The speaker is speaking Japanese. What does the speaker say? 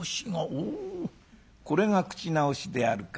「おこれが口直しであるか。